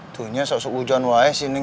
tuhnya seusah ujian waae sih neng